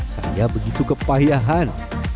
saya begitu kepayahan